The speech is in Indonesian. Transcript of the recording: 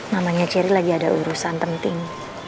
namanya cherry lagi ada urusan penting